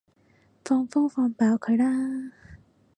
放風放飽佢啦